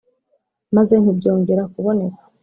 Maze ntibyongera kuboneka